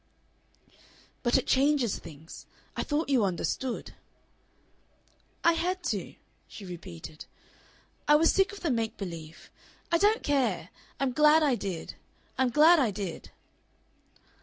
"But it changes things. I thought you understood." "I had to," she repeated. "I was sick of the make believe. I don't care! I'm glad I did. I'm glad I did."